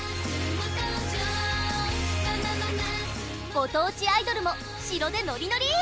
ご当地アイドルも城でノリノリーッ！